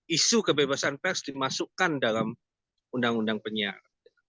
isu kebebasan pers dimasukkan dalam undang undang penyiaran